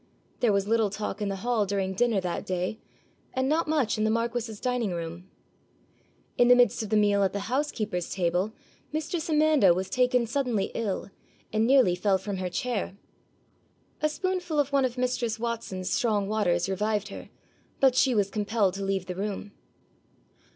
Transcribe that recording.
There was little talk in the hall during dinner that day, and not much in the marquis's dining room. In the midst of the meal at the housekeeper's table, mistress Amanda was taken suddenly ill, and nearly fell from her chair. A spoonful of one of mistress Watson's strong waters revived her, but she was compelled to leave the room.